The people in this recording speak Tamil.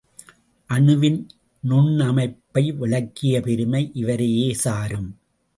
அணுவின் நுண்ணமைப்பை விளக்கிய பெருமை இவரையே சாரும்.